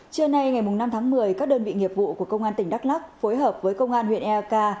trưa nay ngày năm tháng một mươi các đơn vị nghiệp vụ của công an tỉnh đắk lắc phối hợp với công an huyện eak